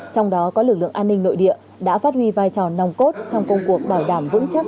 trong đó có lực lượng an ninh nội địa đã phát huy vai trò nòng cốt trong công cuộc bảo đảm vững chắc